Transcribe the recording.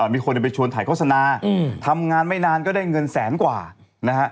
มีคนไปชวนถ่ายโฆษณาทำงานไม่นานก็ได้เงินแสนกว่านะฮะ